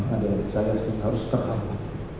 adik adik saya harus terhapus